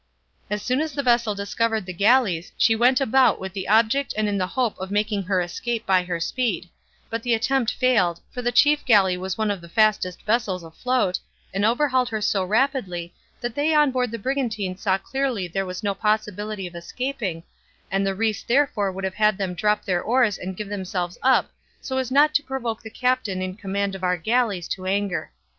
As soon as the vessel discovered the galleys she went about with the object and in the hope of making her escape by her speed; but the attempt failed, for the chief galley was one of the fastest vessels afloat, and overhauled her so rapidly that they on board the brigantine saw clearly there was no possibility of escaping, and the rais therefore would have had them drop their oars and give themselves up so as not to provoke the captain in command of our galleys to anger.